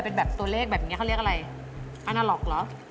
เป็นแบบตัวเลขแบบเนี้ยเขาเรียกอะไรอาณาล็อกเหรอ